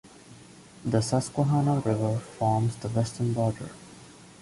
The Susquehanna River forms the western border.